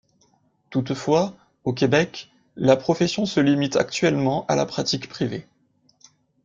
Toutefois, au Québec, la profession se limite actuellement à la pratique privée.